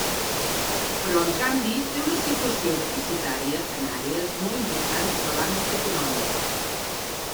Però, en canvi, té una situació deficitària en àrees molt importants de l'àmbit econòmic.